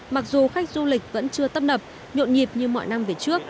mặc dù khách du lịch vẫn chưa tấp nập nhộn nhịp như mọi năm về trước